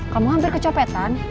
kamu hampir kecopetan